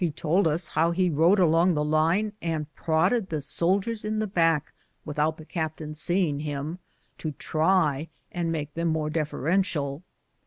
He told ns how he rode along the line, and prodded the soldiers in the back, without the captain seeing him, to try and make them more deferential.